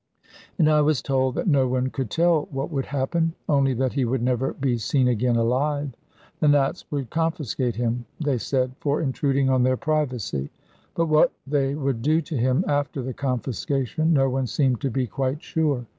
And I was told that no one could tell what would happen, only that he would never be seen again alive. 'The Nats would confiscate him,' they said, 'for intruding on their privacy.' But what they would do to him after the confiscation no one seemed to be quite sure.